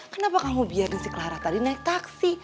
kenapa kamu biarin si clara tadi naik taksi